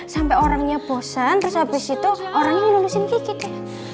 sampai orangnya bosan terus abis itu orangnya ngelulusin kiki